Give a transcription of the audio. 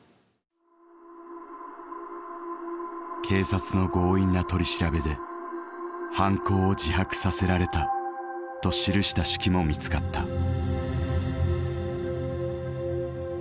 警察の強引な取り調べで「犯行を自白させられた」と記した手記も見つかった。